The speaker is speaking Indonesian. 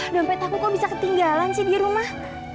dampet aku kok bisa ketinggalan sih di rumah